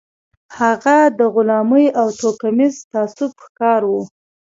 هغه د غلامۍ او توکميز تعصب ښکار و.